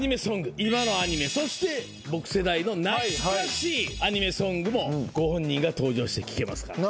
今のアニメそして僕世代の懐かしいアニメソングもご本人が登場して聴けますから。